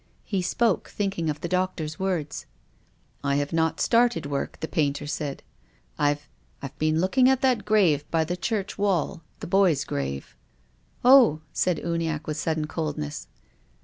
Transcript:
He spoke, thinking of the doctor's words. " I have not started work," the painter said. " I've — I've been looking at that grave by the church wall — the boy's grave." THE GRAVE. 77 " Oh !" said Uniacke, with sudden coldness.